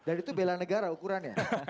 dan itu bela negara ukurannya